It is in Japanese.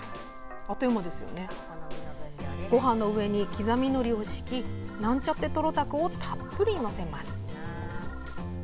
ごはんの上に刻みのりを敷きなんちゃってトロたくをたっぷり載せます。